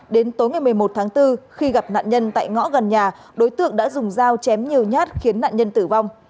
đến tối ngày một mươi một tháng bốn khi gặp nạn nhân tại ngõ gần nhà đối tượng đã dùng dao chém nhiều nhát khiến nạn nhân tử vong